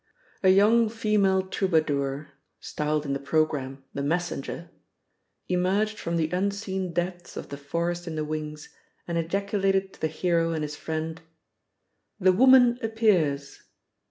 A young female troubadour (styled in the programme "the messenger") emerged from the unseen depths of the forest in the wings and ejaculated to the hero and his friend: "The woman appears."